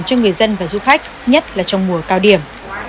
cho người dân và du khách nhất là trong mùa cao điểm